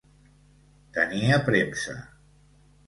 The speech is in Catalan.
Tenia premsa.